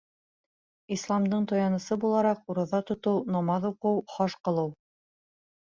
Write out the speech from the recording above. Исламдың таянысы булараҡ, ураҙа тотоу, намаҙ уҡыу, хаж ҡылыу.